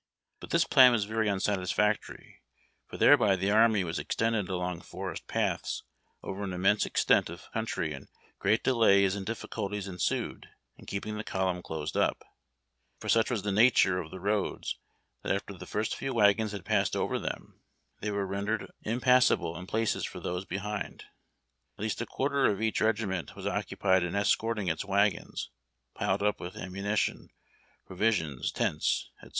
But this plan was very unsatisfactory, for thereby the army was extended along forest paths over an immense extent of country, and great delays and difficulties ensued in keeping the column closed up ; for such was the nature of the roads that after the first few wagons had passed over them they were rendered impassable in places for those behind. At least a quarter of each regiment was occupied in escorting its wagons, piled up Avith ammunition, provisions, tents, etc.